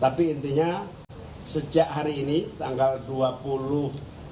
tapi intinya sejak hari ini tanggal dua puluh april dua ribu dua puluh empat saya nyatakan pkb membuka pendaftaran